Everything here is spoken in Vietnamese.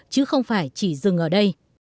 chứ không phải chỉ dừng ở đây